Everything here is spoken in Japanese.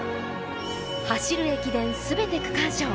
走る駅伝、全て区間賞。